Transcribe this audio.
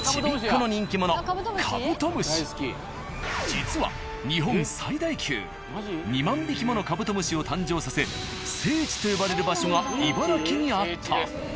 実は日本最大級２万匹ものカブトムシを誕生させ聖地と呼ばれる場所が茨城にあった。